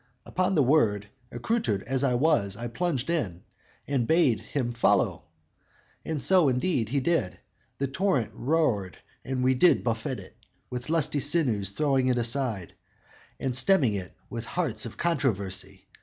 Upon the word, Accoutered as I was, I plunged in And bade him follow; so, indeed, he did. The torrent roared and we did buffet it With lusty sinews; throwing it aside And stemming it with hearts of controversy.